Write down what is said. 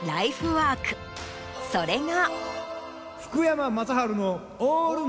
それが。